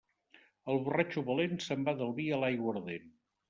El borratxo valent se'n va del vi a l'aiguardent.